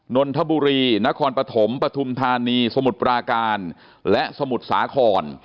นนทบุรีนครปฐมปฐุมธานีสมุทรปราการและสมุทรสาคร